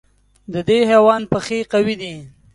د دې حیوان پښې قوي دي.